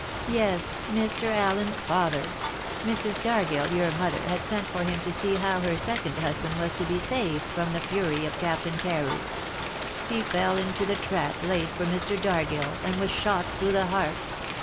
"Yes, Mr. Allen's father. Mrs. Dargill, your mother, had sent for him to see how her second husband was to be saved from the fury of Captain Carew. He fell into the trap laid for Mr. Dargill, and was shot through the heart.